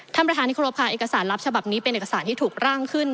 ท่านประธานที่ครบค่ะเอกสารลับฉบับนี้เป็นเอกสารที่ถูกร่างขึ้น